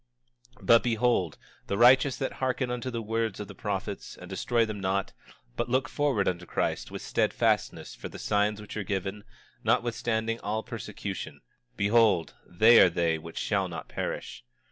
26:8 But behold, the righteous that hearken unto the words of the prophets, and destroy them not, but look forward unto Christ with steadfastness for the signs which are given, notwithstanding all persecution—behold, they are they which shall not perish.